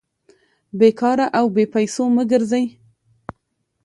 بې کاره او بې پېسو مه ګرځئ!